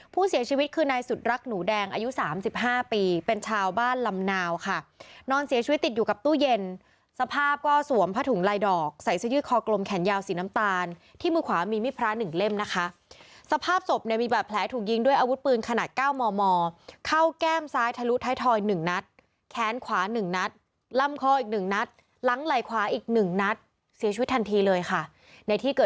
ผู้เสียชีวิตคือนายสุดรักหนูแดงอายุสามสิบห้าปีเป็นชาวบ้านลำนาวค่ะนอนเสียชีวิตติดอยู่กับตู้เย็นสภาพก็สวมผัดถุงลายดอกใส่ซื้อยืดคอกลมแขนยาวสีน้ำตาลที่มือขวามีมิพระหนึ่งเล่มนะคะสภาพศพเนี่ยมีแบบแผลถูกยิงด้วยอาวุธปืนขนาดเก้าหมอเข้าแก้มซ้ายทะลุท้ายทอยหนึ